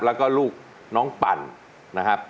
แล้วก็ลูกน้องปั่นนะครับ